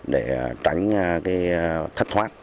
để tránh thất thoát